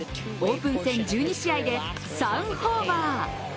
オープン戦１２試合で３ホーマー。